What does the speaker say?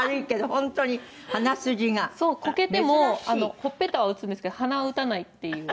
ほっぺたは打つんですけど鼻は打たないっていう。